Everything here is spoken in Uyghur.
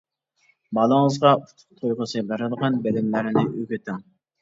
بالىڭىزغا ئۇتۇق تۇيغۇسى بېرىدىغان بىلىملەرنى ئۆگىتىڭ.